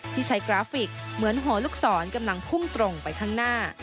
ใช้กราฟิกเหมือนหัวลูกศรกำลังพุ่งตรงไปข้างหน้า